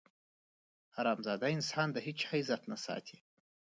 حرامزاده انسان د هېچا عزت نه ساتي.